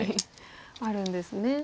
あるんですね。